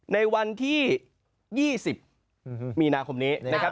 ในวันที่๒๐มีนาคมนี้นะครับ